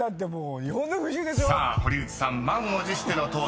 ［さあ堀内さん満を持しての登場］